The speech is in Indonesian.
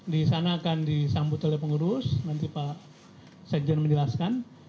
di sana akan disambut oleh pengurus nanti pak sekjen menjelaskan